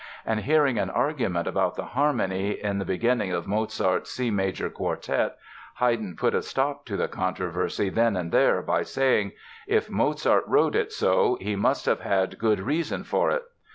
And hearing an argument about the harmony in the beginning of Mozart's C major Quartet Haydn put a stop to the controversy then and there by saying: "If Mozart wrote it so he must have had good reason for it."